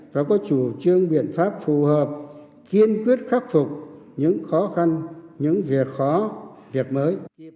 và có chủ trương biện pháp phù hợp kiên quyết khắc phục những khó khăn những việc khó việc mới